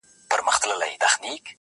په زندان کي له یوسف سره اسیر یم!